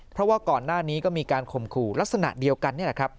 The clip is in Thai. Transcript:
เพราะว่าก่อนหน้านี้ก็มีการข่มขู่ลักษณะเดียวกันนี่แหละครับ